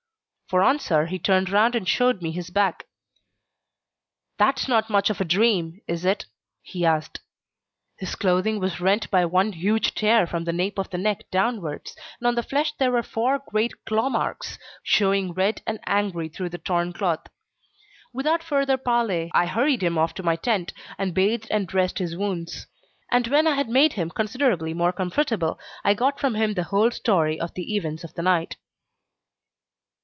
For answer he turned round and showed me his back. "That's not much of a dream, is it?" he asked. His clothing was rent by one huge tear from the nape of the neck downwards, and on the flesh there were four great claw marks, showing red and angry through the torn cloth. Without further parley, I hurried him off to my tent, and bathed and dressed his wounds; and when I had made him considerably more comfortable, I got from him the whole story of the events of the night.